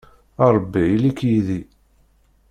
A Ṛebbi ili-k yid-i.